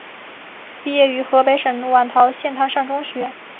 毕业于河北省馆陶县滩上中学。